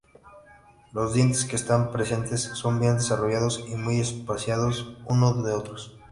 Los dientes que están presentes son bien desarrollados y muy espaciados unos de otros.